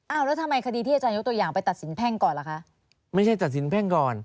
อ้าวแล้วทำไมคดีที่อาจารย์ยกตัวอย่างไปตัดสินแพ่งก่อนล่ะคะ